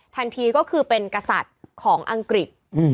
ทันทีก็คือเป็นกษัตริย์ของอังกฤษ